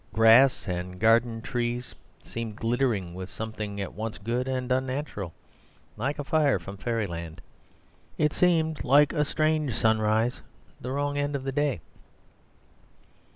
Grass and garden trees seemed glittering with something at once good and unnatural, like a fire from fairyland. It seemed like a strange sunrise at the wrong end of the day.